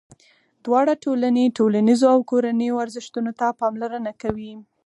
دواړه ټولنې ټولنیزو او کورنیو ارزښتونو ته پاملرنه کوي.